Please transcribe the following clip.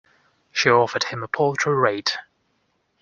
She offered him a paltry rate.